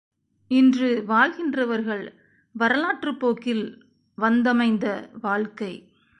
இன்று வாழ்கின்றவர்கள், வரலாற்றுப் போக்கில் வந்தமைந்த வாழ்க்கை.